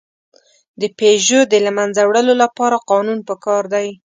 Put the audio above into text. د پيژو د له منځه وړلو لپاره قانون پکار دی.